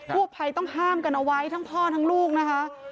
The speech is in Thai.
ผู้ภัยต้องห้ามกันเอาไว้ทั้งพ่อทั้งลูกนะคะ